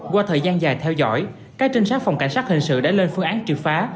qua thời gian dài theo dõi các trinh sát phòng cảnh sát hình sự đã lên phương án triệt phá